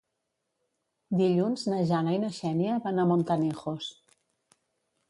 Dilluns na Jana i na Xènia van a Montanejos.